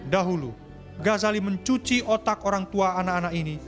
dahulu ghazali mencuci otak orangtua anak anak ini